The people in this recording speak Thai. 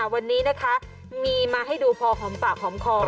วันนี้นะคะมีมาให้ดูพอหอมปากหอมคอ